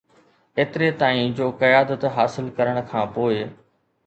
ايتري تائين جو قيادت حاصل ڪرڻ کان پوء